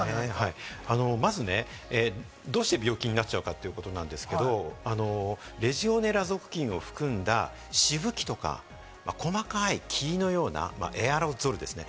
まずね、どうして病気になっちゃうかということですけれども、レジオネラ属菌を含んだしぶきとか細かい霧のようなエアロゾルですね。